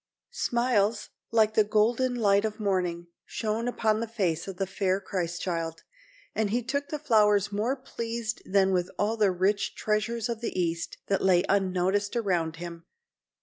Smiles, like the golden light of morning, shone upon the face of the fair Christ child, and he took the flowers more pleased than with all the rich treasures of the East, that lay unnoticed around him.